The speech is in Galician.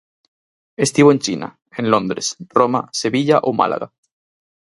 Estivo en China, en Londres, Roma, Sevilla ou Málaga.